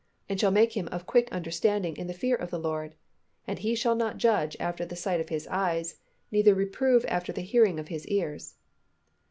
And shall make Him of quick understanding in the fear of the LORD: and He shall not judge after the sight of His eyes, neither reprove after the hearing of His ears."